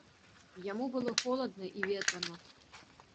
Яму было холадна і ветрана.